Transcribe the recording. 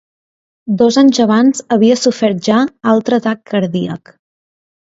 Dos anys abans havia sofert ja altre atac cardíac.